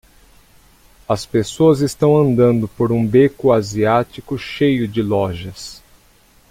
As pessoas estão andando por um beco asiático cheio de lojas.